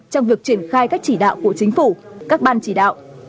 trong việc triển khai các chỉ đạo của chính phủ các ban chỉ đạo